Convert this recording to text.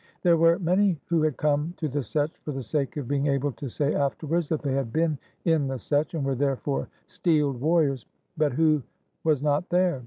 There were many who had come to the Setch for the sake of being able to say afterwards that they had been in the Setch, and were therefore steeled warriors. But who was not there?